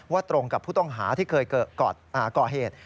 ตรงกับผู้ต้องหาที่เคยก่อเหตุ